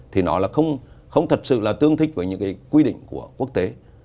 thì nó không thật sự tương thích với những quy định của quốc tế